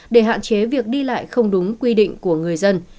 để hạn chế việc đi lại không đúng quy định của người dân